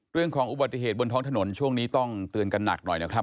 เรื่องของอุบัติเหตุบนท้องถนนช่วงนี้ต้องเตือนกันหนักหน่อยนะครับ